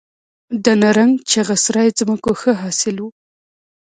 د نرنګ، چغه سرای ځمکو ښه حاصل و